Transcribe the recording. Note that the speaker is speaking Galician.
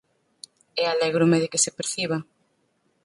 E alégrome de que se perciba.